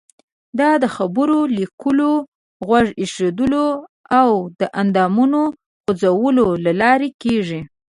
دا د خبرو، لیکلو، غوږ ایښودلو او د اندامونو خوځولو له لارې کیږي.